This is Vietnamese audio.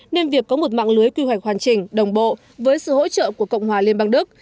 nên việc có một mạng lưới quy hoạch hoàn chỉnh đồng bộ với sự hỗ trợ của cộng hòa liên bang đức